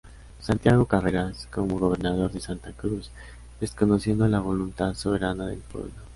Santiago Carreras, como gobernador de Santa Cruz, desconociendo la voluntad soberana del pueblo.